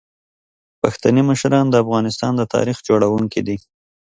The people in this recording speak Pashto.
پښتني مشران د افغانستان د تاریخ جوړونکي دي.